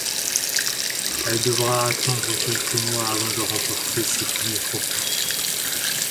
Elle devra attendre quelques mois avant de remporter ses premiers trophées.